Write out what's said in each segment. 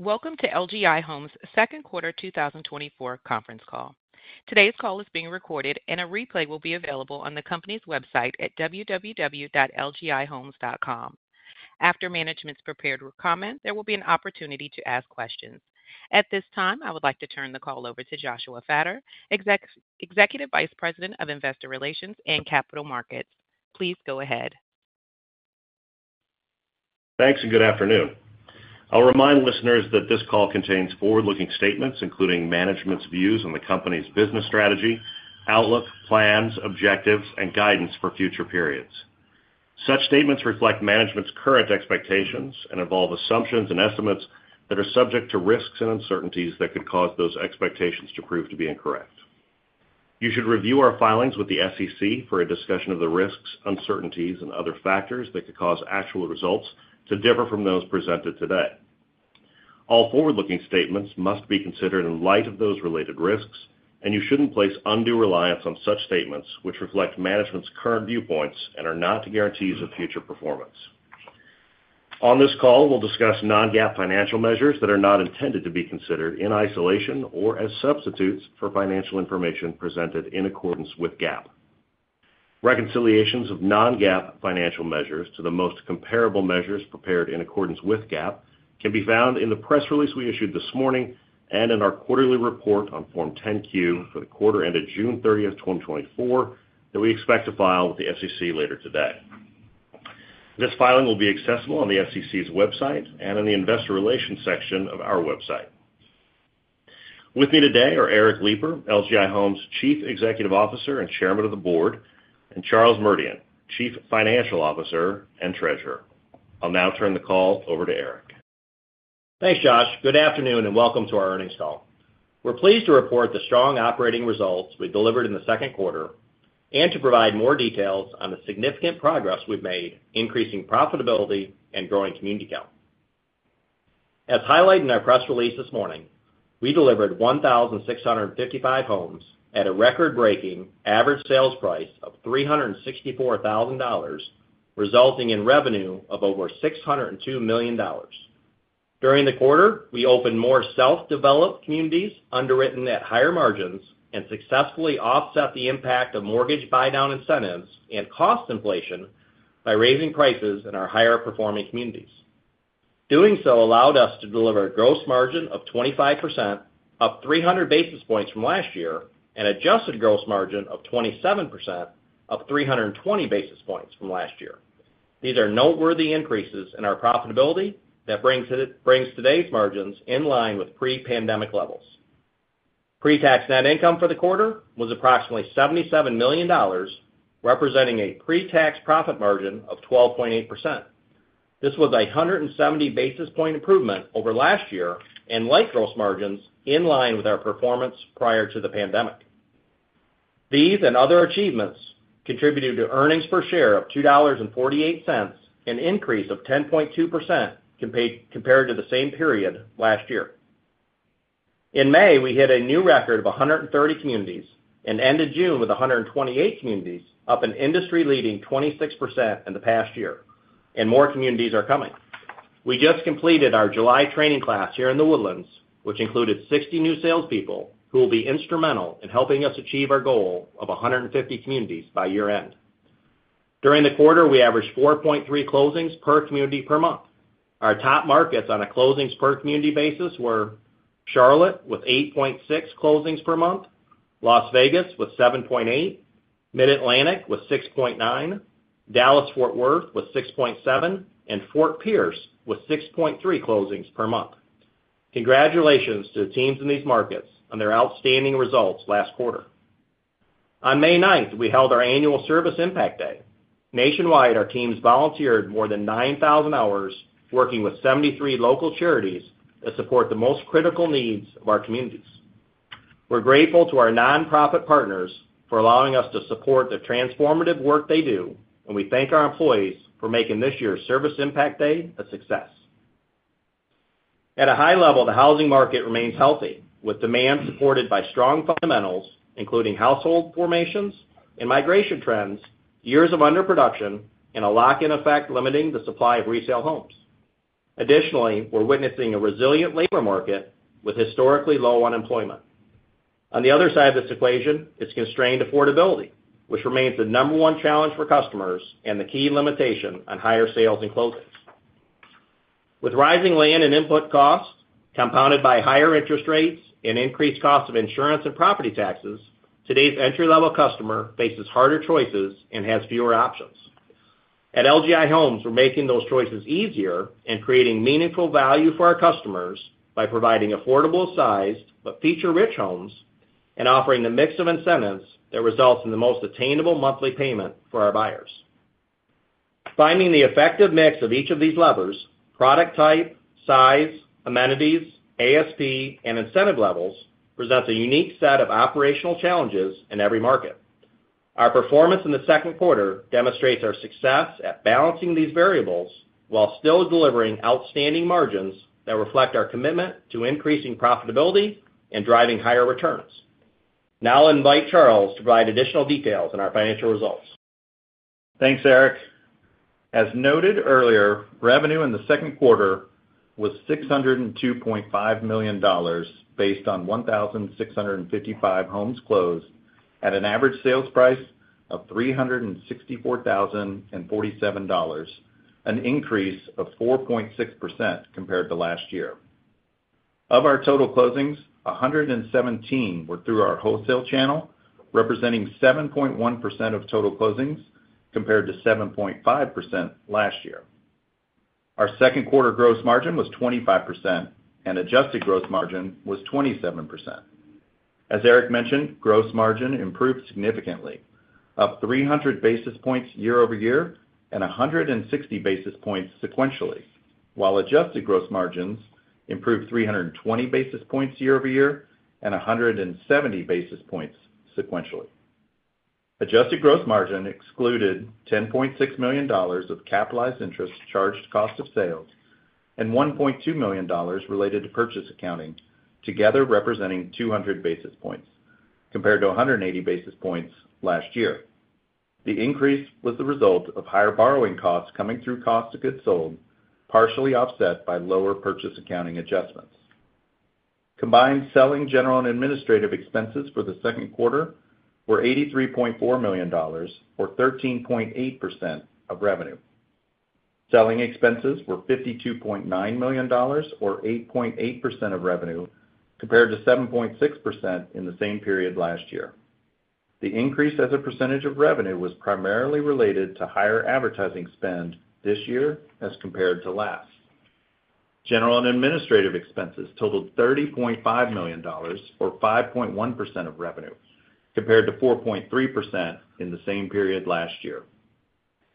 Welcome to LGI Homes' Second Quarter 2024 Conference Call. Today's call is being recorded, and a replay will be available on the company's website at www.lgihomes.com. After management's prepared with comment, there will be an opportunity to ask questions. At this time, I would like to turn the call over to Joshua Fattor, Executive Vice President of Investor Relations and Capital Markets. Please go ahead. Thanks, and good afternoon. I'll remind listeners that this call contains forward-looking statements, including management's views on the company's business strategy, outlook, plans, objectives, and guidance for future periods. Such statements reflect management's current expectations and involve assumptions and estimates that are subject to risks and uncertainties that could cause those expectations to prove to be incorrect. You should review our filings with the SEC for a discussion of the risks, uncertainties, and other factors that could cause actual results to differ from those presented today. All forward-looking statements must be considered in light of those related risks, and you shouldn't place undue reliance on such statements, which reflect management's current viewpoints and are not guarantees of future performance. On this call, we'll discuss non-GAAP financial measures that are not intended to be considered in isolation or as substitutes for financial information presented in accordance with GAAP. Reconciliations of non-GAAP financial measures to the most comparable measures prepared in accordance with GAAP can be found in the press release we issued this morning and in our quarterly report on Form 10-Q for the quarter ended June 30th, 2024, that we expect to file with the SEC later today. This filing will be accessible on the SEC's website and in the Investor Relations section of our website. With me today are Eric Lipar, LGI Homes Chief Executive Officer and Chairman of the Board, and Charles Merdian, Chief Financial Officer and Treasurer. I'll now turn the call over to Eric. Thanks, Josh. Good afternoon, and welcome to our earnings call. We're pleased to report the strong operating results we delivered in the second quarter and to provide more details on the significant progress we've made, increasing profitability and growing community count. As highlighted in our press release this morning, we delivered 1,655 homes at a record-breaking average sales price of $364,000, resulting in revenue of over $602 million. During the quarter, we opened more self-developed communities underwritten at higher margins and successfully offset the impact of mortgage buy-down incentives and cost inflation by raising prices in our higher-performing communities. Doing so allowed us to deliver a gross margin of 25%, up 300 basis points from last year, and an adjusted gross margin of 27%, up 320 basis points from last year. These are noteworthy increases in our profitability that brings today's margins in line with pre-pandemic levels. Pre-tax net income for the quarter was approximately $77 million, representing a pre-tax profit margin of 12.8%. This was a 170 basis point improvement over last year and like gross margins in line with our performance prior to the pandemic. These and other achievements contributed to earnings per share of $2.48, an increase of 10.2% compared to the same period last year. In May, we hit a new record of 130 communities and ended June with 128 communities, up an industry-leading 26% in the past year, and more communities are coming. We just completed our July training class here in The Woodlands, which included 60 new salespeople who will be instrumental in helping us achieve our goal of 150 communities by year-end. During the quarter, we averaged 4.3 closings per community per month. Our top markets on a closings per community basis were Charlotte with 8.6 closings per month, Las Vegas with 7.8, Mid-Atlantic with 6.9, Dallas-Fort Worth with 6.7, and Fort Pierce with 6.3 closings per month. Congratulations to the teams in these markets on their outstanding results last quarter. On May 9th, we held our annual Service Impact Day. Nationwide, our teams volunteered more than 9,000 hours working with 73 local charities that support the most critical needs of our communities. We're grateful to our nonprofit partners for allowing us to support the transformative work they do, and we thank our employees for making this year's Service Impact Day a success. At a high level, the housing market remains healthy, with demand supported by strong fundamentals, including household formations and migration trends, years of underproduction, and a lock-in effect limiting the supply of resale homes. Additionally, we're witnessing a resilient labor market with historically low unemployment. On the other side of this equation is constrained affordability, which remains the number one challenge for customers and the key limitation on higher sales and closings. With rising land and input costs compounded by higher interest rates and increased costs of insurance and property taxes, today's entry-level customer faces harder choices and has fewer options. At LGI Homes, we're making those choices easier and creating meaningful value for our customers by providing affordable-sized but feature-rich homes and offering the mix of incentives that results in the most attainable monthly payment for our buyers. Finding the effective mix of each of these levers (product type, size, amenities, ASP, and incentive levels) presents a unique set of operational challenges in every market. Our performance in the second quarter demonstrates our success at balancing these variables while still delivering outstanding margins that reflect our commitment to increasing profitability and driving higher returns. Now, I'll invite Charles to provide additional details on our financial results. Thanks, Eric. As noted earlier, revenue in the second quarter was $602.5 million based on 1,655 homes closed at an average sales price of $364,047, an increase of 4.6% compared to last year. Of our total closings, 117 were through our wholesale channel, representing 7.1% of total closings compared to 7.5% last year. Our second quarter gross margin was 25%, and adjusted gross margin was 27%. As Eric mentioned, gross margin improved significantly, up 300 basis points year-over-year and 160 basis points sequentially, while adjusted gross margins improved 320 basis points year-over-year and 170 basis points sequentially. Adjusted gross margin excluded $10.6 million of capitalized interest charged cost of sales and $1.2 million related to purchase accounting, together representing 200 basis points compared to 180 basis points last year. The increase was the result of higher borrowing costs coming through cost of goods sold, partially offset by lower purchase accounting adjustments. Combined selling general and administrative expenses for the second quarter were $83.4 million, or 13.8% of revenue. Selling expenses were $52.9 million, or 8.8% of revenue, compared to 7.6% in the same period last year. The increase as a percentage of revenue was primarily related to higher advertising spend this year as compared to last. General and administrative expenses totaled $30.5 million, or 5.1% of revenue, compared to 4.3% in the same period last year.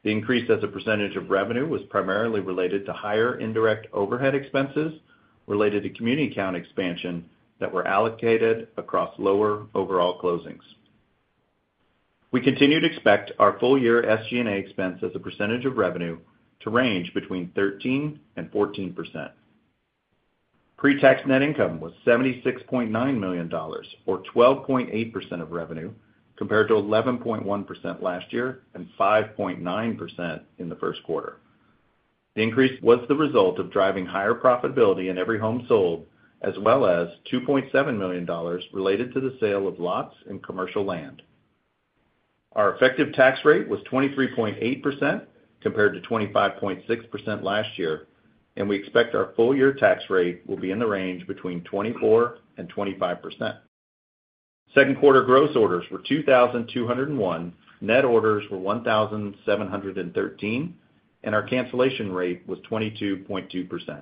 The increase as a percentage of revenue was primarily related to higher indirect overhead expenses related to community count expansion that were allocated across lower overall closings. We continue to expect our full-year SG&A expense as a percentage of revenue to range between 13% and 14%. Pre-tax net income was $76.9 million, or 12.8% of revenue, compared to 11.1% last year and 5.9% in the first quarter. The increase was the result of driving higher profitability in every home sold, as well as $2.7 million related to the sale of lots and commercial land. Our effective tax rate was 23.8% compared to 25.6% last year, and we expect our full-year tax rate will be in the range between 24% and 25%. Second quarter gross orders were 2,201, net orders were 1,713, and our cancellation rate was 22.2%.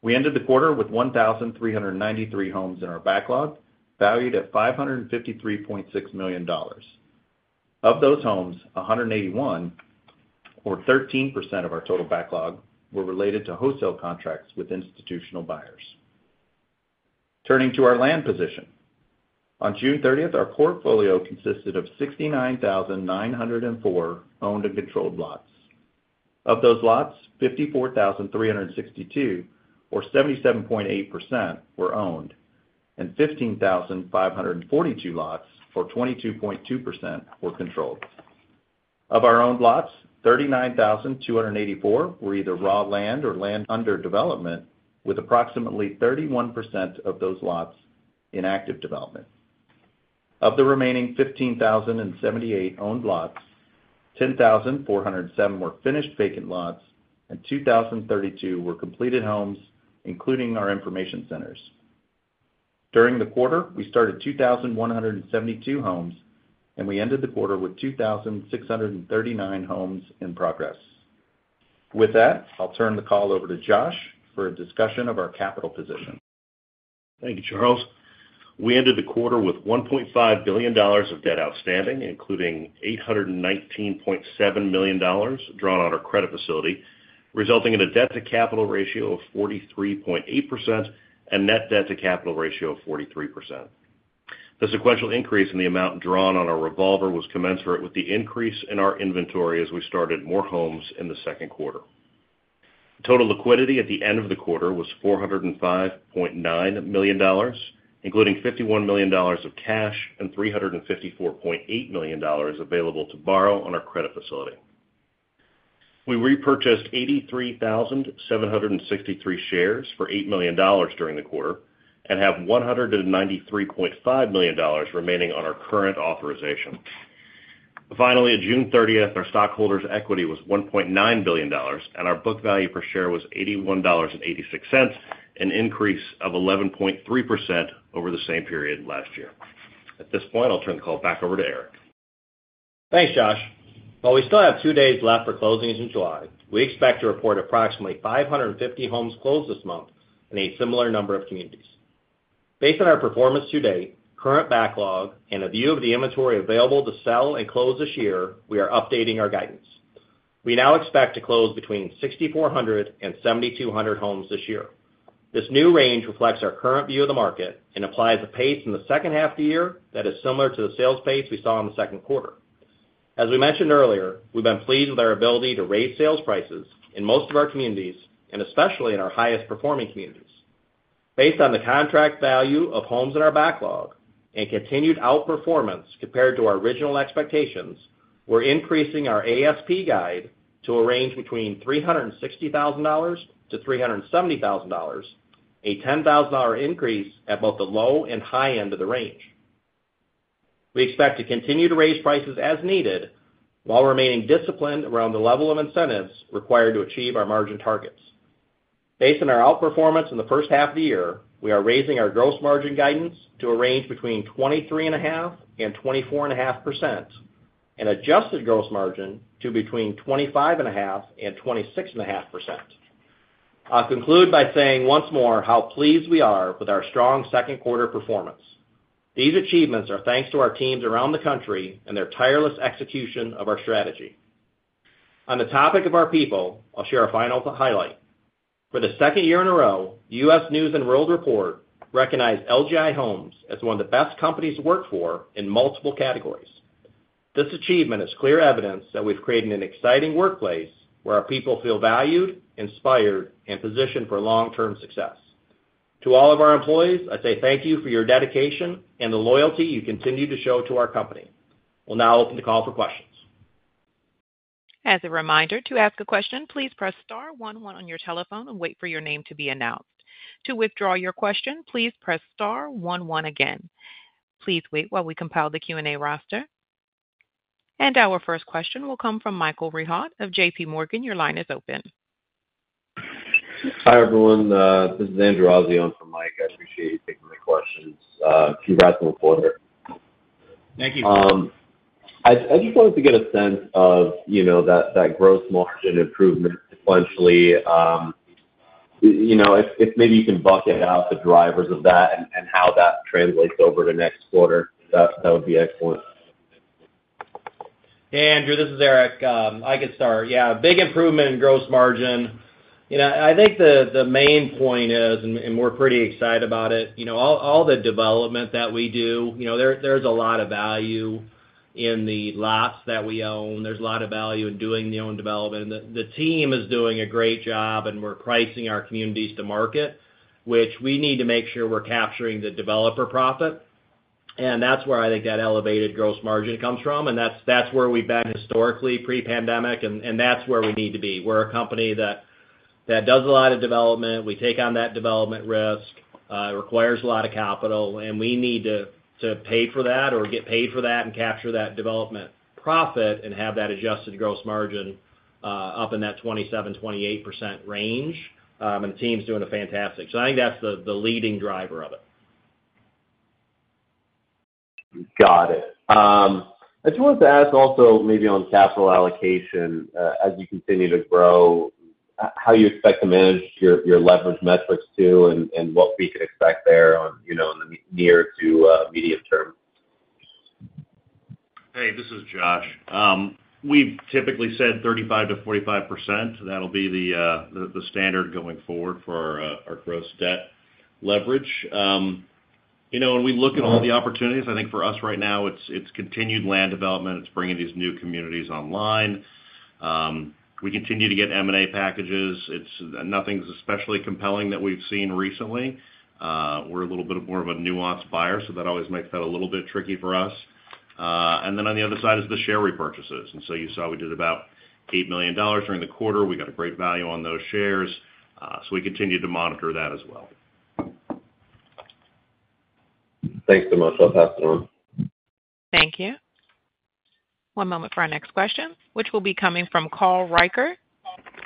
We ended the quarter with 1,393 homes in our backlog, valued at $553.6 million. Of those homes, 181, or 13% of our total backlog, were related to wholesale contracts with institutional buyers. Turning to our land position, on June 30th, our portfolio consisted of 69,904 owned and controlled lots. Of those lots, 54,362, or 77.8%, were owned, and 15,542 lots, or 22.2%, were controlled. Of our owned lots, 39,284 were either raw land or land under development, with approximately 31% of those lots in active development. Of the remaining 15,078 owned lots, 10,407 were finished vacant lots, and 2,032 were completed homes, including our information centers. During the quarter, we started 2,172 homes, and we ended the quarter with 2,639 homes in progress. With that, I'll turn the call over to Josh for a discussion of our capital position. Thank you, Charles. We ended the quarter with $1.5 billion of debt outstanding, including $819.7 million drawn on our credit facility, resulting in a debt-to-capital ratio of 43.8% and net debt-to-capital ratio of 43%. The sequential increase in the amount drawn on our revolver was commensurate with the increase in our inventory as we started more homes in the second quarter. Total liquidity at the end of the quarter was $405.9 million, including $51 million of cash and $354.8 million available to borrow on our credit facility. We repurchased 83,763 shares for $8 million during the quarter and have $193.5 million remaining on our current authorization. Finally, on June 30th, our stockholders' equity was $1.9 billion, and our book value per share was $81.86, an increase of 11.3% over the same period last year. At this point, I'll turn the call back over to Eric. Thanks, Josh. While we still have two days left for closings in July, we expect to report approximately 550 homes closed this month in a similar number of communities. Based on our performance to date, current backlog, and a view of the inventory available to sell and close this year, we are updating our guidance. We now expect to close between 6,400 and 7,200 homes this year. This new range reflects our current view of the market and applies a pace in the second half of the year that is similar to the sales pace we saw in the second quarter. As we mentioned earlier, we've been pleased with our ability to raise sales prices in most of our communities, and especially in our highest-performing communities. Based on the contract value of homes in our backlog and continued outperformance compared to our original expectations, we're increasing our ASP guide to a range between $360,000-$370,000, a $10,000 increase at both the low and high end of the range. We expect to continue to raise prices as needed while remaining disciplined around the level of incentives required to achieve our margin targets. Based on our outperformance in the first half of the year, we are raising our gross margin guidance to a range between 23.5% and 24.5% and adjusted gross margin to between 25.5% and 26.5%. I'll conclude by saying once more how pleased we are with our strong second quarter performance. These achievements are thanks to our teams around the country and their tireless execution of our strategy. On the topic of our people, I'll share a final highlight. For the second year in a row, U.S. News & World Report recognized LGI Homes as one of the best companies to work for in multiple categories. This achievement is clear evidence that we've created an exciting workplace where our people feel valued, inspired, and positioned for long-term success. To all of our employees, I say thank you for your dedication and the loyalty you continue to show to our company. We'll now open the call for questions. As a reminder, to ask a question, please press star one one on your telephone and wait for your name to be announced. To withdraw your question, please press star one one again. Please wait while we compile the Q&A roster. And our first question will come from Michael Rehaut of JPMorgan. Your line is open. Hi, everyone. This is Andrew Azzi from Mike. I appreciate you taking my questions. Congrats on the quarter. Thank you. I just wanted to get a sense of that gross margin improvement sequentially. If maybe you can bucket out the drivers of that and how that translates over to next quarter, that would be excellent. Hey, Andrew, this is Eric. I could start. Yeah, big improvement in gross margin. I think the main point is, and we're pretty excited about it, all the development that we do, there's a lot of value in the lots that we own. There's a lot of value in doing the own development. The team is doing a great job, and we're pricing our communities to market, which we need to make sure we're capturing the developer profit. And that's where I think that elevated gross margin comes from. And that's where we've been historically pre-pandemic, and that's where we need to be. We're a company that does a lot of development. We take on that development risk. It requires a lot of capital, and we need to pay for that or get paid for that and capture that development profit and have that adjusted gross margin up in that 27%-28% range. And the team's doing fantastic. So I think that's the leading driver of it. Got it. I just wanted to ask also maybe on capital allocation as you continue to grow, how you expect to manage your leverage metrics too and what we could expect there in the near to medium term? Hey, this is Josh. We've typically said 35%-45%. That'll be the standard going forward for our gross debt leverage. When we look at all the opportunities, I think for us right now, it's continued land development. It's bringing these new communities online. We continue to get M&A packages. Nothing's especially compelling that we've seen recently. We're a little bit more of a nuanced buyer, so that always makes that a little bit tricky for us. And then on the other side is the share repurchases. And so you saw we did about $8 million during the quarter. We got a great value on those shares. So we continue to monitor that as well. Thanks so much. I'll pass it on. Thank you. One moment for our next question, which will be coming from Carl Reichardt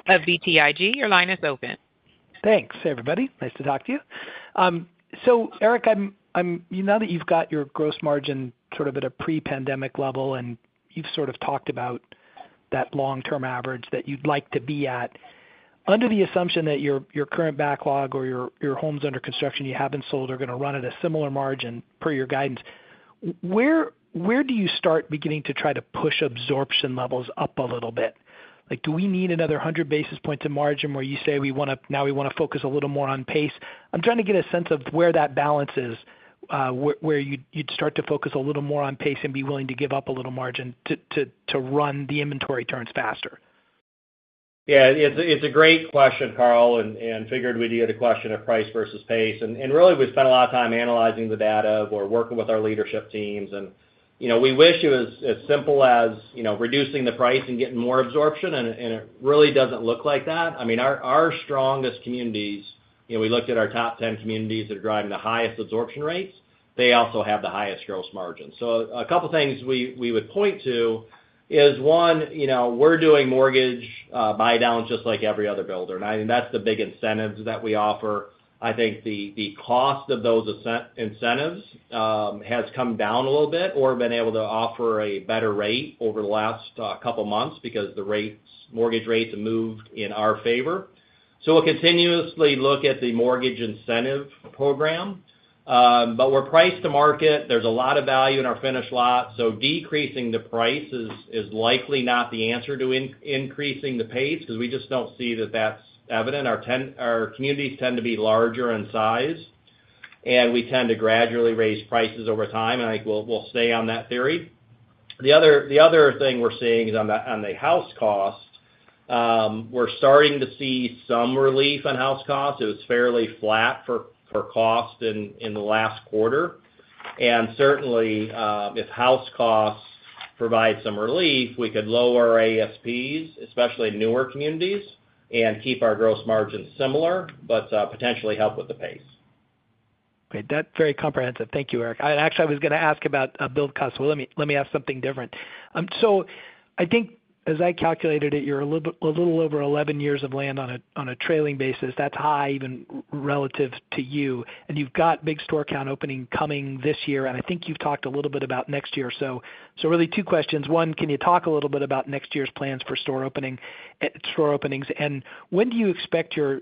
of BTIG. Your line is open. Thanks, everybody. Nice to talk to you. So Eric, now that you've got your gross margin sort of at a pre-pandemic level and you've sort of talked about that long-term average that you'd like to be at, under the assumption that your current backlog or your homes under construction you haven't sold are going to run at a similar margin per your guidance, where do you start beginning to try to push absorption levels up a little bit? Do we need another 100 basis points of margin where you say, "Now we want to focus a little more on pace"? I'm trying to get a sense of where that balance is, where you'd start to focus a little more on pace and be willing to give up a little margin to run the inventory turns faster. Yeah, it's a great question, Carl, and figured we'd get a question of price versus pace. And really, we spent a lot of time analyzing the data or working with our leadership teams. And we wish it was as simple as reducing the price and getting more absorption, and it really doesn't look like that. I mean, our strongest communities, we looked at our top 10 communities that are driving the highest absorption rates. They also have the highest gross margin. So a couple of things we would point to is, one, we're doing mortgage buy-downs just like every other builder. And I think that's the big incentives that we offer. I think the cost of those incentives has come down a little bit or been able to offer a better rate over the last couple of months because the mortgage rates have moved in our favor. We'll continuously look at the mortgage incentive program. We're priced to market. There's a lot of value in our finished lots. Decreasing the price is likely not the answer to increasing the pace because we just don't see that that's evident. Our communities tend to be larger in size, and we tend to gradually raise prices over time. I think we'll stay on that theory. The other thing we're seeing is on the house cost. We're starting to see some relief on house costs. It was fairly flat for cost in the last quarter. Certainly, if house costs provide some relief, we could lower our ASPs, especially in newer communities, and keep our gross margin similar but potentially help with the pace. Okay. That's very comprehensive. Thank you, Eric. Actually, I was going to ask about build costs. Well, let me ask something different. So I think, as I calculated it, you're a little over 11 years of land on a trailing basis. That's high even relative to you. And you've got big store count opening coming this year. And I think you've talked a little bit about next year. So really, two questions. One, can you talk a little bit about next year's plans for store openings? And when do you expect your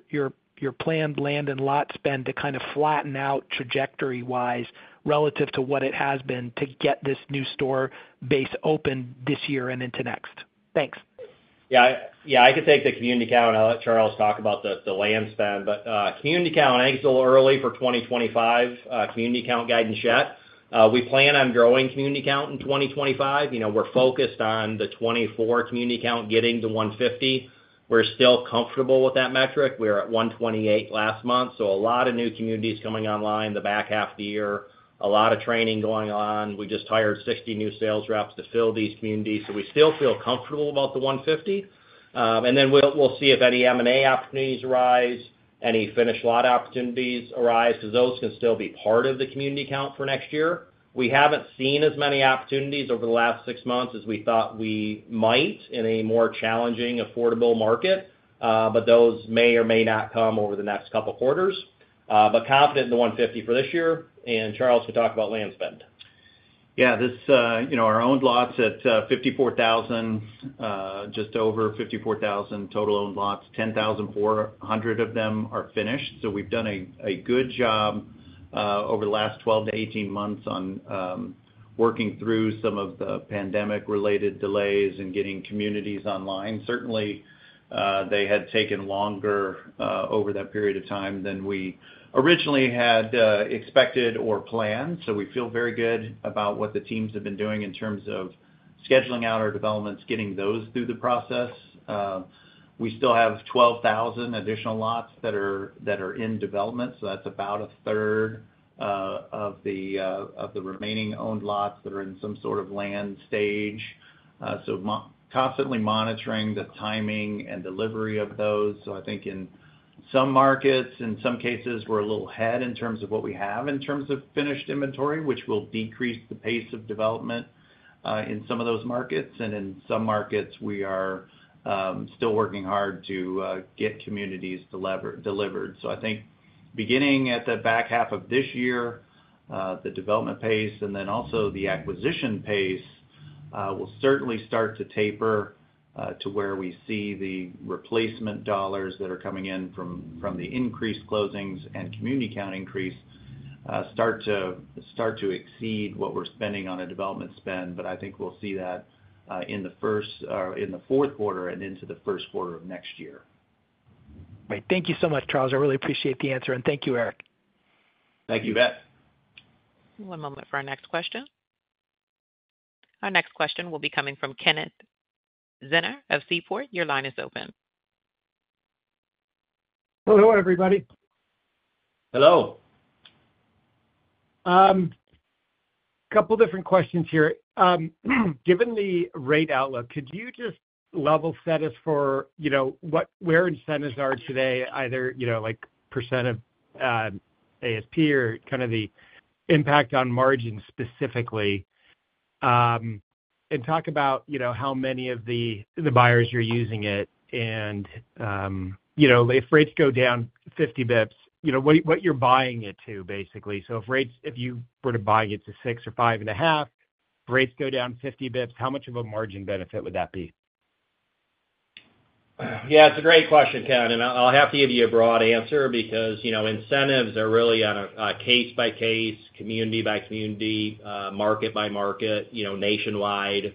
planned land and lot spend to kind of flatten out trajectory-wise relative to what it has been to get this new store base open this year and into next? Thanks. Yeah, I could take the community count, and I'll let Charles talk about the land spend. But community count, I think it's a little early for 2025 community count guidance yet. We plan on growing community count in 2025. We're focused on the 2024 community count getting to 150. We're still comfortable with that metric. We were at 128 last month. So a lot of new communities coming online the back half of the year. A lot of training going on. We just hired 60 new sales reps to fill these communities. So we still feel comfortable about the 150. And then we'll see if any M&A opportunities arise, any finished lot opportunities arise because those can still be part of the community count for next year. We haven't seen as many opportunities over the last six months as we thought we might in a more challenging, affordable market. But those may or may not come over the next couple of quarters. But confident in the 150 for this year. And Charles can talk about land spend. Yeah, our owned lots at 54,000, just over 54,000 total owned lots. 10,400 of them are finished. So we've done a good job over the last 12-18 months on working through some of the pandemic-related delays and getting communities online. Certainly, they had taken longer over that period of time than we originally had expected or planned. So we feel very good about what the teams have been doing in terms of scheduling out our developments, getting those through the process. We still have 12,000 additional lots that are in development. So that's about a third of the remaining owned lots that are in some sort of land stage. So constantly monitoring the timing and delivery of those. So I think in some markets, in some cases, we're a little ahead in terms of what we have in terms of finished inventory, which will decrease the pace of development in some of those markets. And in some markets, we are still working hard to get communities delivered. So I think beginning at the back half of this year, the development pace and then also the acquisition pace will certainly start to taper to where we see the replacement dollars that are coming in from the increased closings and community count increase start to exceed what we're spending on a development spend. But I think we'll see that in the fourth quarter and into the first quarter of next year. All right. Thank you so much, Charles. I really appreciate the answer. Thank you, Eric. Thank you, Beth. One moment for our next question. Our next question will be coming from Kenneth Zener of Seaport. Your line is open. Hello, everybody. Hello. Couple of different questions here. Given the rate outlook, could you just level set us for where incentives are today, either percent of ASP or kind of the impact on margin specifically, and talk about how many of the buyers you're using it? And if rates go down 50 basis points, what you're buying it to, basically. So if you were to buy it to 6 or 5.5, rates go down 50 basis points, how much of a margin benefit would that be? Yeah, it's a great question, Ken. I'll have to give you a broad answer because incentives are really on a case-by-case, community-by-community, market-by-market, nationwide.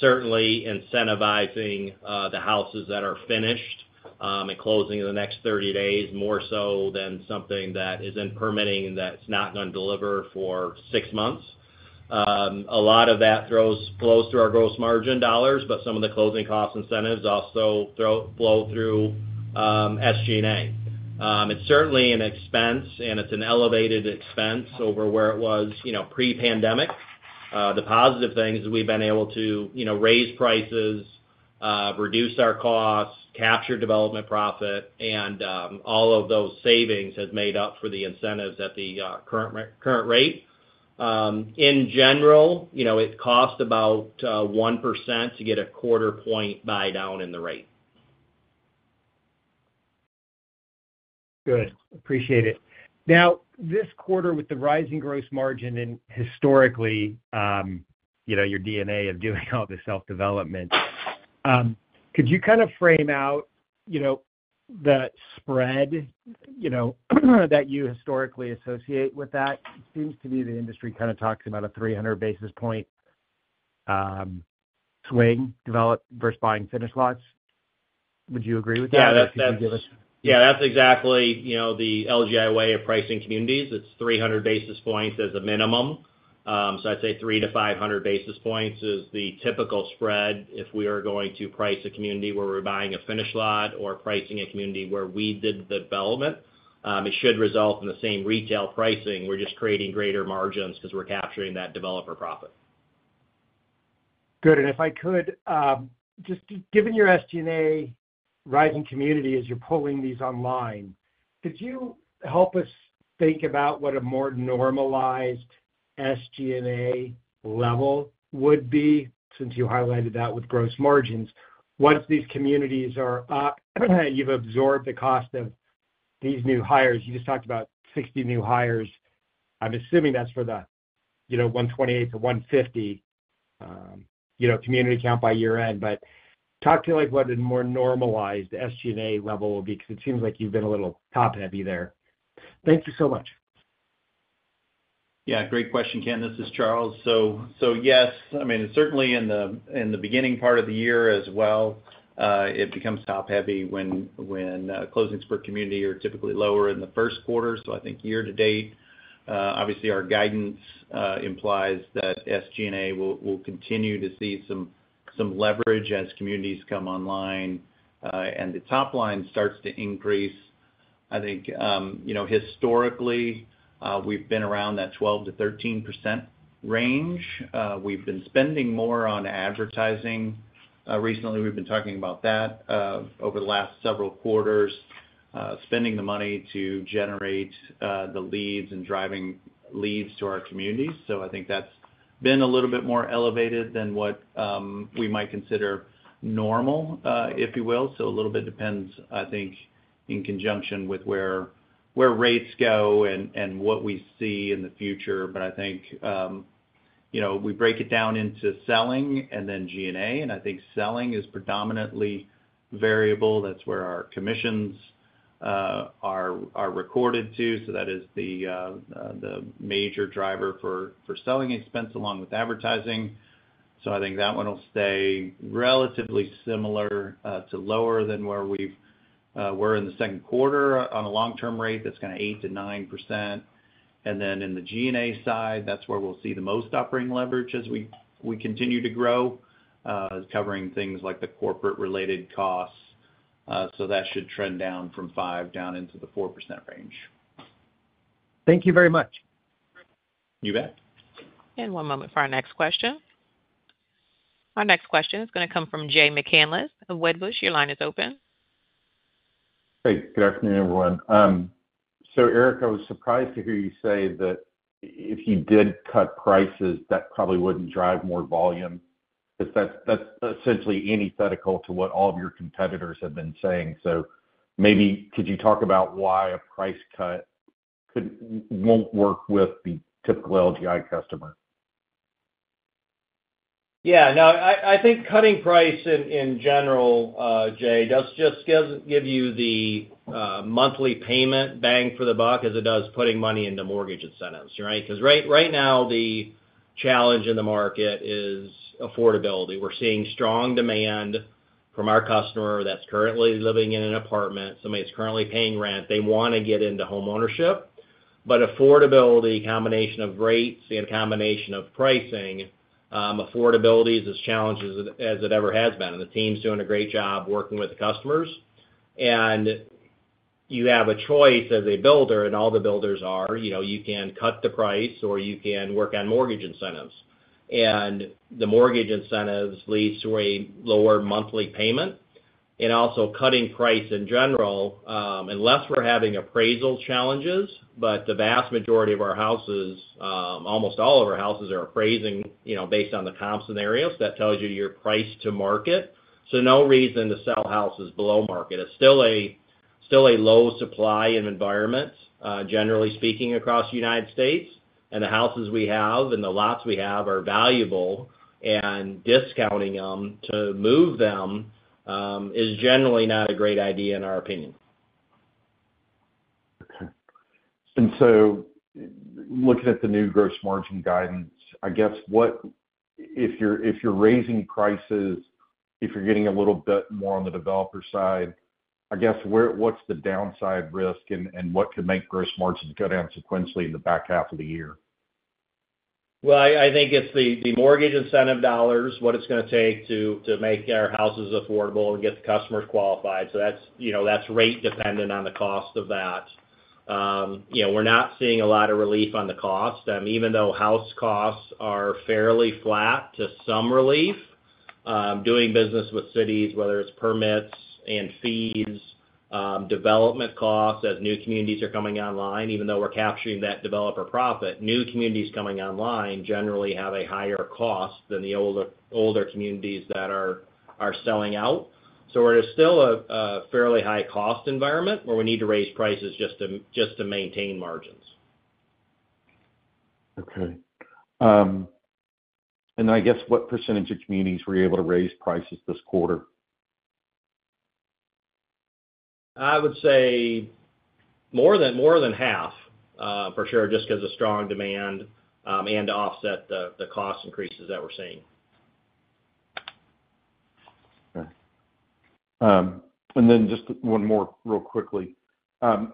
Certainly, incentivizing the houses that are finished and closing in the next 30 days more so than something that is in permitting that's not going to deliver for six months. A lot of that flows through our gross margin dollars, but some of the closing cost incentives also flow through SG&A. It's certainly an expense, and it's an elevated expense over where it was pre-pandemic. The positive things is we've been able to raise prices, reduce our costs, capture development profit, and all of those savings have made up for the incentives at the current rate. In general, it costs about 1% to get a quarter-point buy-down in the rate. Good. Appreciate it. Now, this quarter with the rising gross margin and historically your DNA of doing all this self-development, could you kind of frame out the spread that you historically associate with that? It seems to be the industry kind of talks about a 300 basis point swing developed versus buying finished lots. Would you agree with that? Yeah, that's exactly the LGI way of pricing communities. It's 300 basis points as a minimum. So I'd say 3-500 basis points is the typical spread if we are going to price a community where we're buying a finished lot or pricing a community where we did the development. It should result in the same retail pricing. We're just creating greater margins because we're capturing that developer profit. Good. And if I could, just given your SG&A rising community as you're pulling these online, could you help us think about what a more normalized SG&A level would be since you highlighted that with gross margins? Once these communities are up, you've absorbed the cost of these new hires. You just talked about 60 new hires. I'm assuming that's for the 128-150 community count by year-end. But talk to what a more normalized SG&A level will be because it seems like you've been a little top-heavy there. Thank you so much. Yeah, great question, Ken. This is Charles. So yes, I mean, certainly in the beginning part of the year as well, it becomes top-heavy when closings per community are typically lower in the first quarter. So I think year-to-date, obviously, our guidance implies that SG&A will continue to see some leverage as communities come online. And the top line starts to increase. I think historically, we've been around that 12%-13% range. We've been spending more on advertising. Recently, we've been talking about that over the last several quarters, spending the money to generate the leads and driving leads to our communities. So I think that's been a little bit more elevated than what we might consider normal, if you will. So a little bit depends, I think, in conjunction with where rates go and what we see in the future. But I think we break it down into selling and then G&A. I think selling is predominantly variable. That's where our commissions are recorded to. So that is the major driver for selling expense along with advertising. So I think that one will stay relatively similar to lower than where we were in the second quarter on a long-term rate. That's kind of 8%-9%. And then in the G&A side, that's where we'll see the most operating leverage as we continue to grow, covering things like the corporate-related costs. So that should trend down from 5% down into the 4% range. Thank you very much. You bet. One moment for our next question. Our next question is going to come from Jay McCanless of Wedbush. Your line is open. Hey, good afternoon, everyone. Eric, I was surprised to hear you say that if you did cut prices, that probably wouldn't drive more volume because that's essentially antithetical to what all of your competitors have been saying. Maybe could you talk about why a price cut won't work with the typical LGI customer? Yeah. No, I think cutting price in general, Jay, does just give you the monthly payment bang for the buck as it does putting money into mortgage incentives, right? Because right now, the challenge in the market is affordability. We're seeing strong demand from our customer that's currently living in an apartment. Somebody's currently paying rent. They want to get into homeownership. But affordability, a combination of rates and a combination of pricing, affordability is as challenged as it ever has been. And the team's doing a great job working with the customers. And you have a choice as a builder, and all the builders are, you can cut the price or you can work on mortgage incentives. And the mortgage incentives lead to a lower monthly payment. And also cutting price in general, unless we're having appraisal challenges, but the vast majority of our houses, almost all of our houses, are appraising based on the comp scenarios. That tells you your price to market. So no reason to sell houses below market. It's still a low supply in environments, generally speaking, across the United States. And the houses we have and the lots we have are valuable. And discounting them to move them is generally not a great idea in our opinion. Okay. And so looking at the new gross margin guidance, I guess if you're raising prices, if you're getting a little bit more on the developer side, I guess what's the downside risk and what could make gross margins go down sequentially in the back half of the year? Well, I think it's the mortgage incentive dollars, what it's going to take to make our houses affordable and get the customers qualified. So that's rate-dependent on the cost of that. We're not seeing a lot of relief on the cost. Even though house costs are fairly flat to some relief, doing business with cities, whether it's permits and fees, development costs as new communities are coming online, even though we're capturing that developer profit, new communities coming online generally have a higher cost than the older communities that are selling out. So we're still a fairly high-cost environment where we need to raise prices just to maintain margins. Okay. I guess what percentage of communities were you able to raise prices this quarter? I would say more than half for sure, just because of strong demand and to offset the cost increases that we're seeing. Okay. And then just one more real quickly. I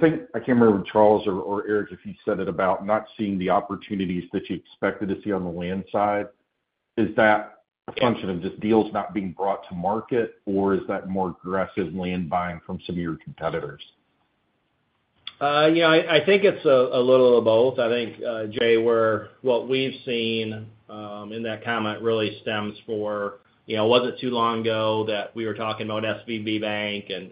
can't remember if Charles or Eric if you said it about not seeing the opportunities that you expected to see on the land side. Is that a function of just deals not being brought to market, or is that more aggressive land buying from some of your competitors? Yeah, I think it's a little of both. I think, Jay, what we've seen in that comment really stems from it wasn't too long ago that we were talking about SVB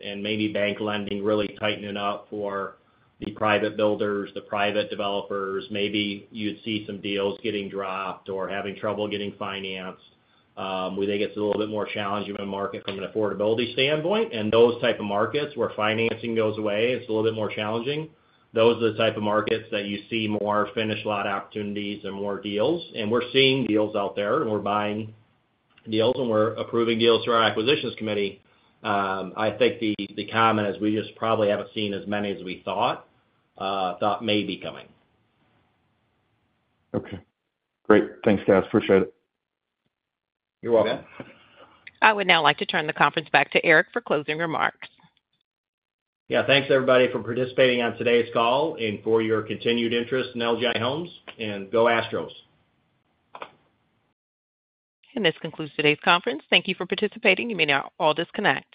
and maybe bank lending really tightening up for the private builders, the private developers. Maybe you'd see some deals getting dropped or having trouble getting financed. When they get to a little bit more challenging of a market from an affordability standpoint, and those type of markets where financing goes away, it's a little bit more challenging. Those are the type of markets that you see more finished lot opportunities and more deals. And we're seeing deals out there, and we're buying deals, and we're approving deals through our acquisitions committee. I think the comment is we just probably haven't seen as many as we thought may be coming. Okay. Great. Thanks, guys. Appreciate it. You're welcome. I would now like to turn the conference back to Eric for closing remarks. Yeah. Thanks, everybody, for participating on today's call and for your continued interest in LGI Homes. And go Astros. This concludes today's conference. Thank you for participating. You may now all disconnect.